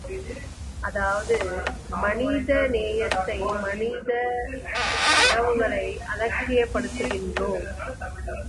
அதாவது, மனித நேயத்தை, மனித உறவுகளை அலட்சியப்படுத்துகின்றோம்.